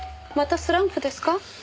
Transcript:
またスランプですか？